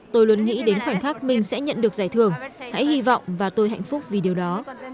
tôi luôn nghĩ đến khoảnh khắc mình sẽ nhận được giải thưởng hãy hy vọng và tôi hạnh phúc vì điều đó